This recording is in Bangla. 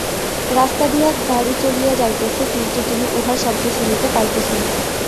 রাস্তা দিয়া গাড়ী চলিয়া যাইতেছে, কিন্তু তুমি উহার শব্দ শুনিতে পাইতেছ না।